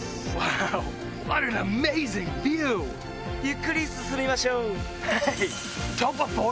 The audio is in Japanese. ゆっくり進みましょう。